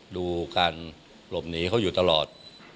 ดูการหลบหนีเขาอยู่ตลอด